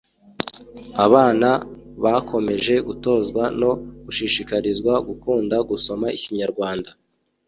Abana bakomeje gutozwa no gushishikarizwa gukunda gusoma ikinyarwanda